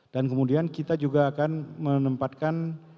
dan kemudian kita juga akan menempatkan